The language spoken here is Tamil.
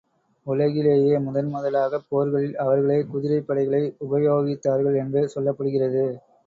உலகிலேயே முதன் முதலாகப் போர்களில் அவர்களே குதிரைப் படைகளை உபயோகித்தார்கள் என்று சொல்லப்படுகிறது.